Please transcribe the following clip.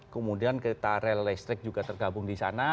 kemudian kereta rel listrik juga tergabung di sana